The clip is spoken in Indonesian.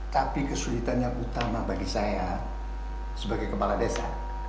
tapi kesulitan yang utama bagi saya sebagai kepala desa